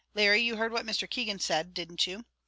Larry, you heard what Mr. Keegan said, didn't you?"